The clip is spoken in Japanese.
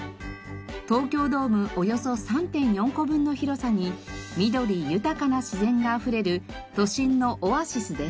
東京ドームおよそ３．４個分の広さに緑豊かな自然があふれる都心のオアシスです。